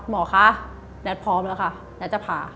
หมอคะแน็ตพร้อมแล้วค่ะแน็ตจะผ่า